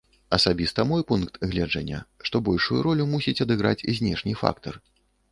Асабіста мой пункт гледжання, што большую ролю мусіць адыграць знешні фактар.